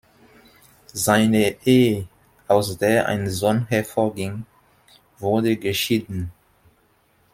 Seine Ehe, aus der ein Sohn hervorging, wurde geschieden.